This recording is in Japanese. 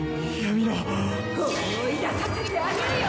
思い出させてあげるよ！